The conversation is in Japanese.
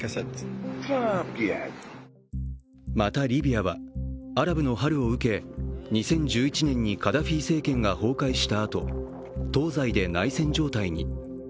またリビアはアラブの春を受け２０１１年にカダフィ政権が崩壊したあと、東西で内戦状態に。